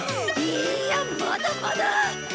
いいやまだまだ！